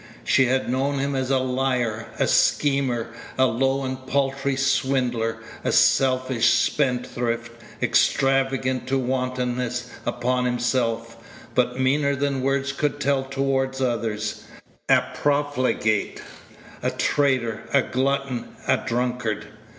She had known him as a liar, a schemer, a low and paltry swindler, a selfish spendthrift, extravagant to wantonness upon himself, but meaner than words could tell toward others; a profligate, a traitor, a glutton, a drunkard.